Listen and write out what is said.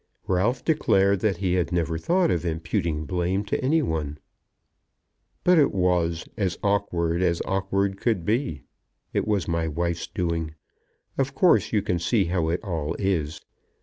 Ralph declared that he had never thought of imputing blame to any one. "But it was, as awk'ard as awk'ard could be. It was my wife's doing. Of course you can see how it all is.